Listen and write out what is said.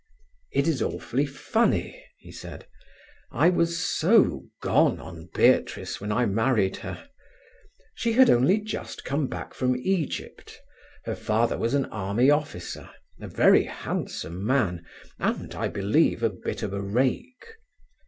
"It is awfully funny," he said. "I was so gone on Beatrice when I married her. She had only just come back from Egypt. Her father was an army officer, a very handsome man, and, I believe, a bit of a rake.